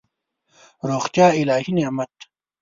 روغتیا الهي نعمت دی.